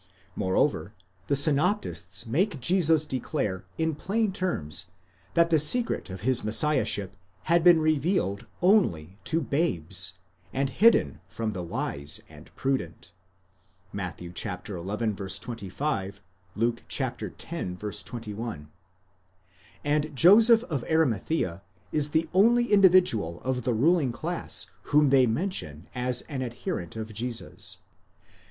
Moreover the synoptists make Jesus declare in plain terms that the secret of his Messiahship had been revealed only to dades, and hidden from the wise and prudent (Matt. xi. 25 ; Luke x. 21), and Joseph of Arimathea is the only individual of the ruling class whom they mention as an adherent of Jesus.